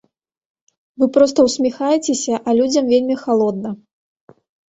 Вы проста ўсміхаецеся, а людзям вельмі халодна.